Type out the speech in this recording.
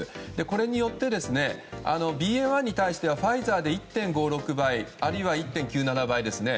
これによってＢＡ．１に対してはファイザーで１．５６倍あるいは１．９７倍ですね。